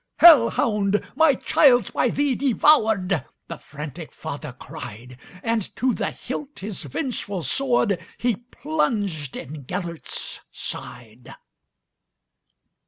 "Hell hound! my child 's by thee devoured,"The frantic father cried; And to the hilt his vengeful swordHe plunged in Gêlert's side.